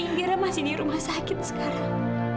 ngira masih di rumah sakit sekarang